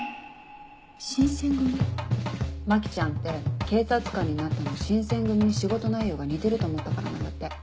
牧ちゃんって警察官になったの新選組に仕事内容が似てると思ったからなんだって。